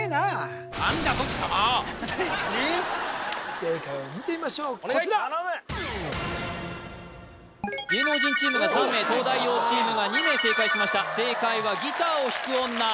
正解を見てみましょうこちら芸能人チームが３名東大王チームが２名正解しました正解は「ギターを弾く女」